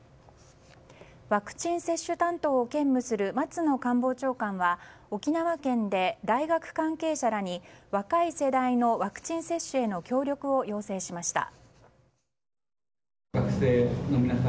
ワクチン接種担当を兼務する松野官房長官は沖縄県で大学関係者らに若い世代のワクチン接種への協力を要請しました。